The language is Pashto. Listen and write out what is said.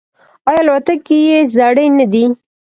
آیا الوتکې یې زړې نه دي؟